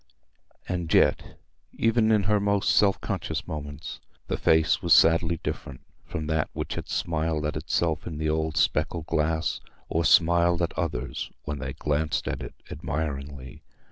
And yet, even in her most self conscious moments, the face was sadly different from that which had smiled at itself in the old specked glass, or smiled at others when they glanced at it admiringly.